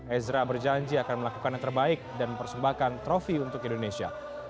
ezra berjanji akan melakukan yang terbaik dan mempersembahkan trofi untuk indonesia